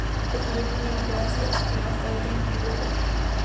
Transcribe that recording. Estudió primero en Francia, y más tarde en Friburgo.